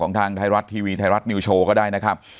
ทางไทยรัฐทีวีไทยรัฐนิวโชว์ก็ได้นะครับ